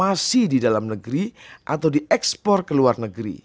dan menjaga keamanan di dalam negeri atau di ekspor ke luar negeri